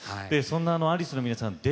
そんなアリスの皆さん